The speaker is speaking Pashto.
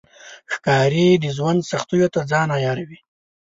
ښکاري د ژوند سختیو ته ځان عیاروي.